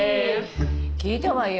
聞いたわよ